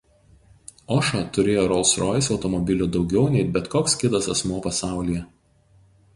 Ošo turėjo „Rolls Royce“ automobilių daugiau nei bet koks kitas asmuo pasaulyje.